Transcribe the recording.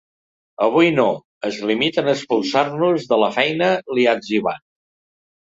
Avui no, es limiten a expulsar-nos de la feina, li ha etzibat.